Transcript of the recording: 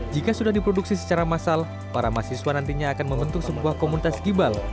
jika sudah diproduksi secara massal para mahasiswa nantinya akan membentuk sebuah komunitas gibal